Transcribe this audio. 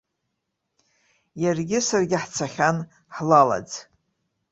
Иаргьы саргьы ҳцахьан ҳлалаӡ!